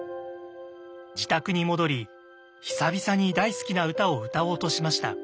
自宅に戻り久々に大好きな歌を歌おうとしました。